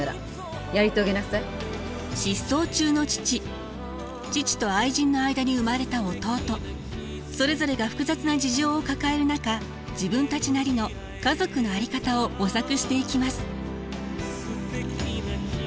失踪中の父父と愛人の間に生まれた弟それぞれが複雑な事情を抱える中自分たちなりの家族の在り方を模索していきます。